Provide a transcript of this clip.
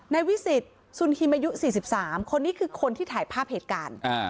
ในวิสิทธิ์ศูนย์ฮิมยุ๔๓คนนี้คือคนที่ถ่ายภาพเหตุการณ์